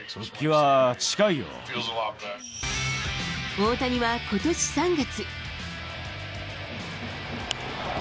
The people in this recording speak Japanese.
大谷はことし３月。